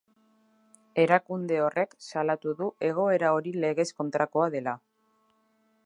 Erakunde horrek salatu du egoera hori legez kontrakoa dela.